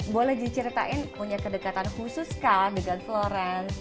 boleh diceritain punya kedekatan khusus kan dengan florence